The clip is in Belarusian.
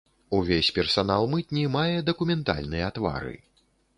Увесь персанал мытні мае дакументальныя твары.